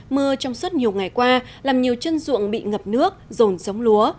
mưa trong suốt nhiều ngày qua làm nhiều chân ruộng bị ngập nước rồn sống lúa